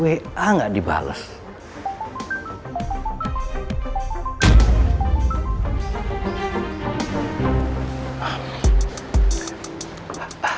jalan sama ngejalan akhirnya